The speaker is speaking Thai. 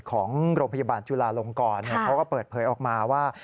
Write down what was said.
ของโรงพยาบาลจุลาลงกรเขาก็เปิดเผยออกมาว่า